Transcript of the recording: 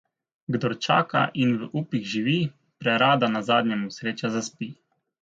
Kdor čaka in v upih živi, prerada nazadnje mu sreča zaspi.